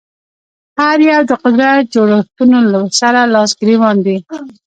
هر یو د قدرت جوړښتونو سره لاس ګرېوان دي